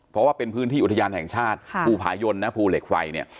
เพราะว่าเป็นพื้นที่อุทยานแห่งชาติภูผายนนะภูเหล็กไฟเนี่ย